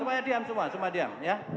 semuanya diam semua diam